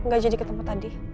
gak jadi ketemu tadi